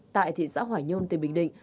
tại thị xã hỏa nhơn tỉnh bình định